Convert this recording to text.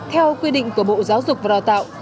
theo quy định của bộ giáo dục và đào tạo